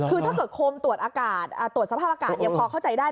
คือถ้าเกิดโคมตรวจอากาศตรวจสภาพอากาศยังพอเข้าใจได้